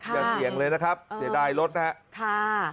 อย่าเสี่ยงเลยนะครับเสียดายรถนะครับ